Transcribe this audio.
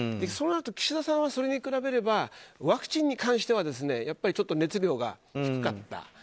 そうなると岸田さんはそれに比べればワクチンに関してはちょっと熱量が低かった。